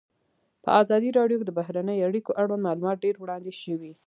په ازادي راډیو کې د بهرنۍ اړیکې اړوند معلومات ډېر وړاندې شوي.